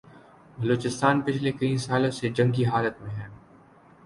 بلوچستان پچھلے کئی سالوں سے جنگ کی حالت میں ہے